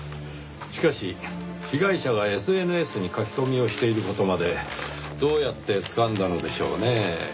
しかし被害者がＳＮＳに書き込みをしている事までどうやってつかんだのでしょうねぇ。